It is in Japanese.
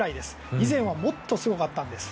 以前はもっとすごかったんです。